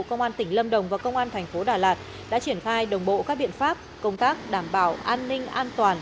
công an tỉnh lâm đồng và công an thành phố đà lạt đã triển khai đồng bộ các biện pháp công tác đảm bảo an ninh an toàn